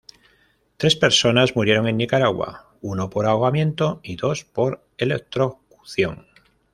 Tres personas murieron en Nicaragua; uno por ahogamiento y dos por electrocución.